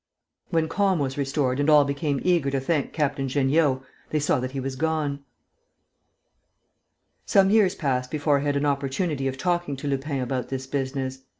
When calm was restored and all became eager to thank Captain Jeanniot, they saw that he was gone. Some years passed before I had an opportunity of talking to Lupin about this business.